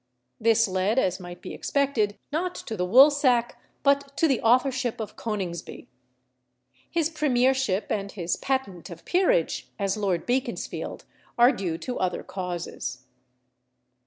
This led, as might be expected, not to the woolsack but to the authorship of Coningsby. His Premiership and his Patent of Peerage as Lord Beaconsfield, are due to other causes.